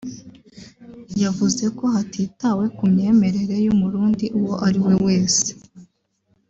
yavuze ko hatitawe ku myemerere y’Umurundi uwo ari we wese